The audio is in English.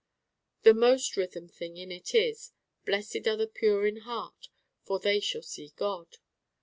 The most Rhythm thing in it is: Blessed are the pure in heart: for they shall see God.